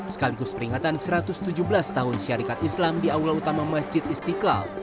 sekaligus peringatan satu ratus tujuh belas tahun syarikat islam di aula utama masjid istiqlal